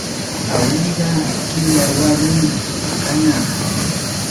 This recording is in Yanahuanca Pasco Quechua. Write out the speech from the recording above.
awlliqa qilla warmi kanaq.